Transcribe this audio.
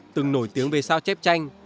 từng nổi tiếng về sao chép tranh